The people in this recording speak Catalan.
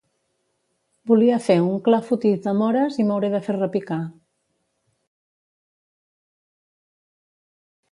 Volia fer un clafoutis de mores i m'hauré de fer repicar